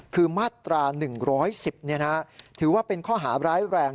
คือมาตรา๑๑๐ถือว่าเป็นข้อหาร้ายแรง